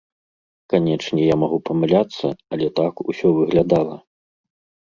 Канечне, я магу памыляцца, але так усё выглядала.